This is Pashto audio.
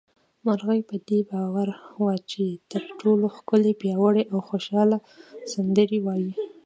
مرغۍ په دې باور وه چې تر ټولو ښکلې، پياوړې او خوشحاله سندرې وايي